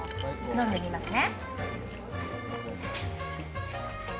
飲んでみますね。